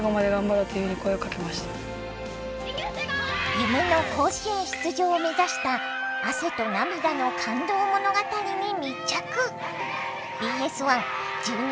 夢の甲子園出場を目指した汗と涙の感動物語に密着。